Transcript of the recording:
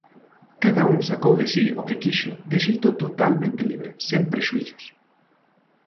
Cada un sacou de si o que quixo, de xeito totalmente libre, sen prexuízos.